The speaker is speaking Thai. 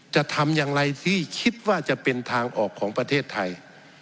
จะทำอย่างไรที่คิดว่าจะเป็นทางออกของประเทศไทย